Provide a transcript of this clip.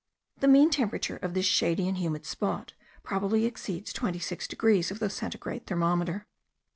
The mean temperature of this shady and humid spot probably exceeds twenty six degrees of the centigrade thermometer.